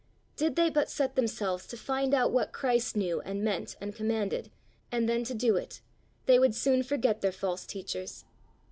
Did they but set themselves to find out what Christ knew and meant and commanded, and then to do it, they would soon forget their false teachers.